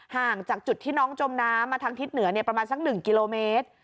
ห่างจากจุดที่น้องจมน้ำมาทางทิศเหนือประมาณสัก๑กิโลเมตร